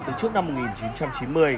từ trước năm một nghìn chín trăm chín mươi